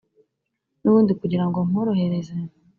N'ubundi, kugira ngo nkworohereze,